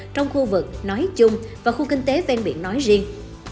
trong khu vực nói chung và khu kinh tế ven biển nói riêng